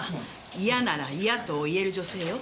嫌なら嫌！と言える女性よ。